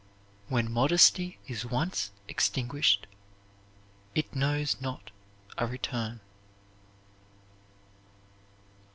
"When modesty is once extinguished, it knows not a return."